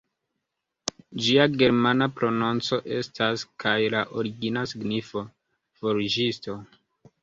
Ĝia germana prononco estas kaj la origina signifo "forĝisto".